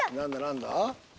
何だ？